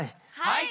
はい！